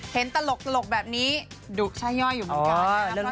เห็นตลกแบบนี้ดุช่ายย่อยอยู่บนการณ์นะ